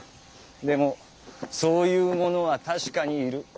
でもそういうものは確かにいる。